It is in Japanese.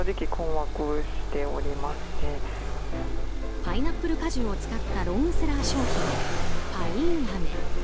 パイナップル果汁を使ったロングセラー商品、パインアメ。